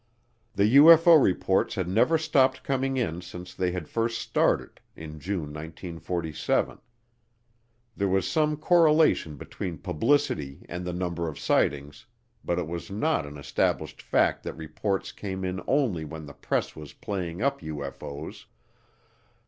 The UFO reports had never stopped coming in since they had first started in June 1947. There was some correlation between publicity and the number of sightings, but it was not an established fact that reports came in only when the press was playing up UFO's.